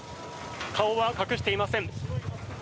顔は隠していません。